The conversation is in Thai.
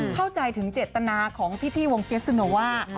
เข้าใจถึงเจตนาของพี่วงเกสโนว่า